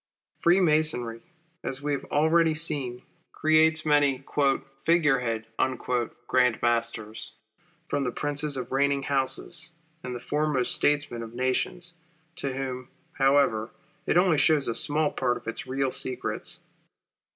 Freemasonry, as we have already seen, creates many "figure head" Grand Masters, from the princes of reigning houses, and the foremost statesmen of nations, to whom, however, it only shows a small part of its real secrets.